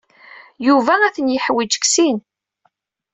Yuba ad ten-yeḥwij deg sin.